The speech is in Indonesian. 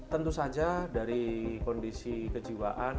tentu saja dari kondisi kejiwaan